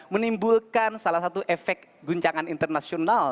menimbulkan salah satu efek guncangan internasional